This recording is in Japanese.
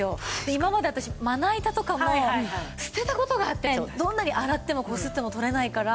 今まで私まな板とかも捨てた事があってどんなに洗ってもこすっても取れないから。